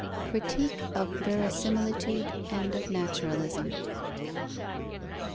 _Critique of verisimilitude and of naturalism.